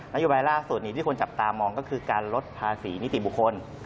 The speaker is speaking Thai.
โยบายล่าสุดนี้ที่คนจับตามองก็คือการลดภาษีนิติบุคคล